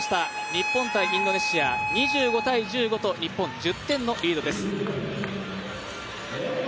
日本×インドネシア、２５−１５と日本、１０点のリードです。